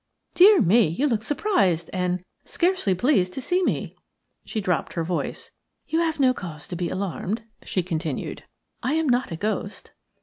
Dear me, you look surprised and – scarcely pleased to see me." She dropped her voice. "You have no cause to be alarmed," she continued, "I am not a ghost."